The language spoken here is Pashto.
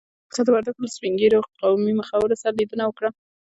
پاچا د وردګو له سپين ږيرو قومي مخورو سره ليدنه وکړه.